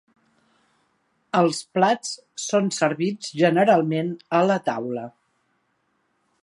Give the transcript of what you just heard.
Els plats són servits generalment a la taula.